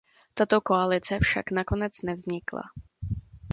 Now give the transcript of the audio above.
Tato koalice však nakonec nevznikla.